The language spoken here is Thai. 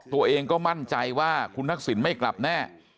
ตัวเองก็มั่นใจว่าคุณทักษิณไม่กลับแน่